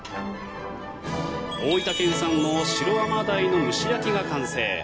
大分県産のシロアマダイの蒸し焼きが完成。